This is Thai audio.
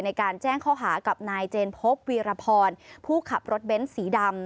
ในการแจ้งข้อหากับนายเจนพบวีรพรผู้ขับรถเบ้นสีดำ